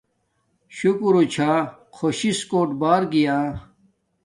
شکور چھا خوش شس کوٹ بار گیا